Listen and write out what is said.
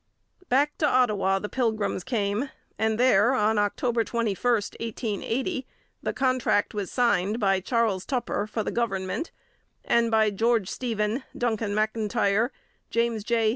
Back to Ottawa the pilgrims came, and there on October 21, 1880, the contract was signed by Charles Tupper for the government and by George Stephen, Duncan M'Intyre, James J.